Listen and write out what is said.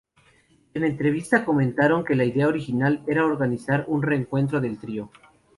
En entrevista comentaron que la idea original era organizar un reencuentro del trío.